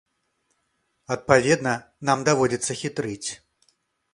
Адпаведна, нам даводзіцца хітрыць.